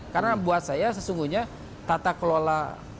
karena buat saya sesungguhnya tata kelola